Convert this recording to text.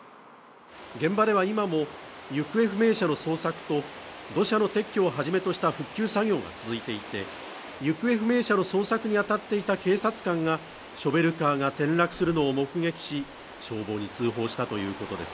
現場では今も行方不明者の捜索と、土砂の撤去をはじめとした復旧作業が続いていて行方不明者の捜索に当たっていた警察官がショベルカーが転落するのを目撃し消防に通報したということです。